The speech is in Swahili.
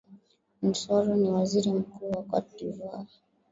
n soroh ni waziri mkuu wa cote divoire